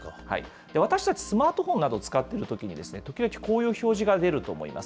私たち、スマートフォンなどを使っているときに、時々、こういう表示が出ると思います。